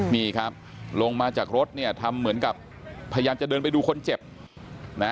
นี่ครับลงมาจากรถเนี่ยทำเหมือนกับพยายามจะเดินไปดูคนเจ็บนะ